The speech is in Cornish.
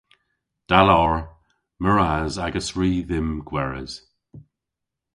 Da lowr. Meur ras a'gas ri dhymm gweres.